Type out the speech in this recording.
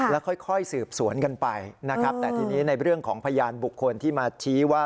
แล้วค่อยสืบสวนกันไปนะครับแต่ทีนี้ในเรื่องของพยานบุคคลที่มาชี้ว่า